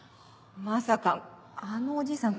まさかあのおじいさん